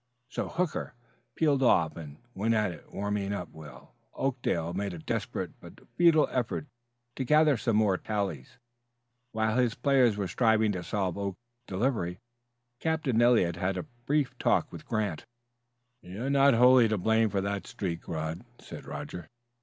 So Hooker peeled off and went at it warming up while Oakdale made a desperate but futile effort to gather some more tallies. While his players were striving to solve Oakes' delivery Captain Eliot had a brief talk with Grant. "You were not wholly to blame for that streak, Rod," said Roger.